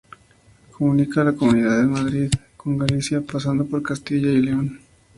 Comunica la Comunidad de Madrid con Galicia, pasando por Castilla y León.